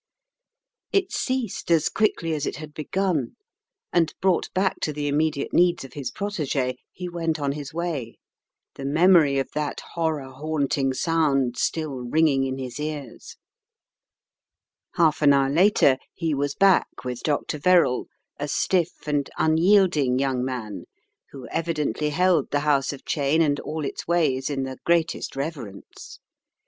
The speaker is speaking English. It ceased as quickly as it had begun, and brought back to the immediate needs of his prot6g6, he went on his way, the memory of that horror haunting sound still ringing in his ears. Half an hour later he was back with Dr. Verrall, The House vrith the Shuttered Windows 103 a stiff and unyielding young man, who evidently held the House of Cheyne and all its ways in the greatest reverence.